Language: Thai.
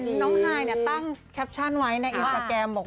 เห็นน้องไห้ตั้งแคปชั่นไว้ในอินสโกรแกรม